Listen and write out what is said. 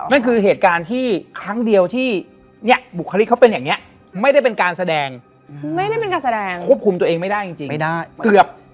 แต่มันก็อันนี้ก็ผ่านมาเป็นปีกว่าแล้ว